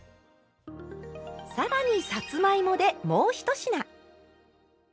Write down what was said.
更にさつまいもでもう１品！